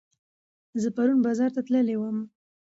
زه پرون بازار ته تللي وم